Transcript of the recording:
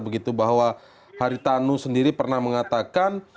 begitu bahwa haritanu sendiri pernah mengatakan